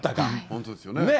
本当ですよね。